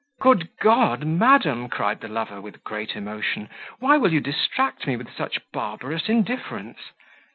"Good God! madam," cried the lover, with great emotion, "why will you distract me with such barbarous indifference?